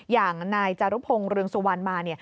อย่างนายจารุพงศ์เรืองสุวรรณมา